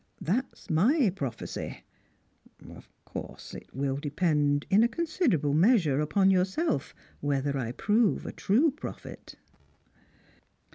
That's my prophecy. Of course it will depend in a considerable measure upon yourself whether I prove a trufc prophet."